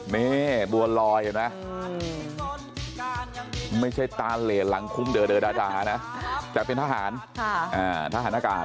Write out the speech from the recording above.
นี่บัวลอยนะไม่ใช่ตาเหล่หลังคุมเดอเดอดาดานะแต่เป็นทหารทหารกาศ